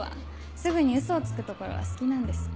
すぐにウソをつくところは好きなんです。